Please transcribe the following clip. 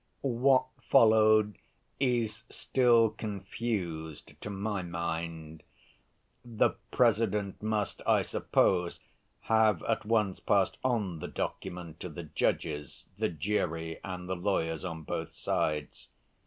What followed is still confused to my mind. The President must, I suppose, have at once passed on the document to the judges, the jury, and the lawyers on both sides.